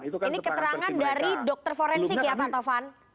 ini keterangan dari dokter forensik ya pak tovan